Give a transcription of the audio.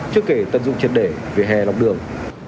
trước kể tận dụng triệt để về hè lọc đường